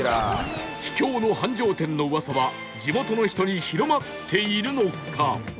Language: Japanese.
秘境の繁盛店の噂は地元の人に広まっているのか？